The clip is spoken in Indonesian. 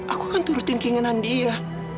aku akan turutin keinginan dia